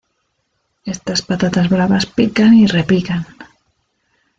Estas patatas bravas pican y repican